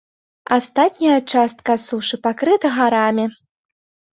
Астатняя частка сушы пакрыта гарамі.